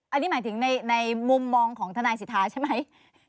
อันนี้หมายถึงในมุมมองของทนายสิทธาใช่ไหม